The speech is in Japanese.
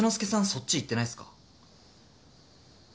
そっち行ってないっすか？